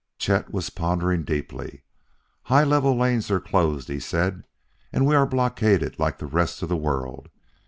Chet was pondering deeply. "High level lanes are closed," he said, "and we are blockaded like the rest of the world.